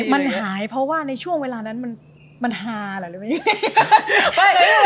มันหายเพราะว่าในช่วงเวลานั้นมันฮาเหรอหรือไม่